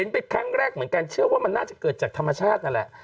เป็นครั้งแรกเหมือนกันเชื่อว่ามันน่าจะเกิดจากธรรมชาตินั่นแหละ